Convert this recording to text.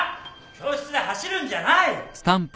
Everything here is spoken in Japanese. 教室で走るんじゃない。